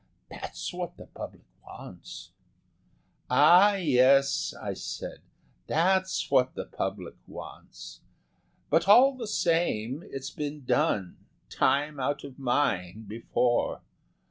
That's what the public wants." "Ah, yes," I said, "that's what the public wants. But all the same, it's been done time out of mind before.